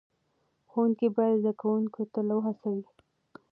ښوونکي باید زده کوونکي تل وهڅوي.